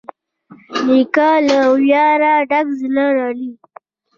نیکه له ویاړه ډک زړه لري.